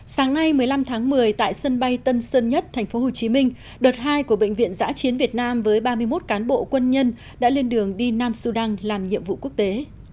sáng nay một mươi năm tháng một mươi tại sân bay tân sơn nhất tp hcm đợt hai của bệnh viện giã chiến việt nam với ba mươi một cán bộ quân nhân đã lên đường đi nam sudan làm nhiệm vụ quốc tế